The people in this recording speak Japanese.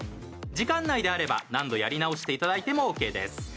時間内であれば何度やり直していただいてもＯＫです。